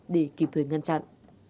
để kịp thời ngăn chặn